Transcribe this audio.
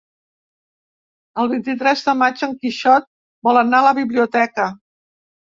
El vint-i-tres de maig en Quixot vol anar a la biblioteca.